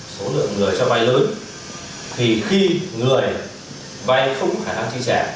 số lượng người cho vay lớn thì khi người vay không có khả năng trị trả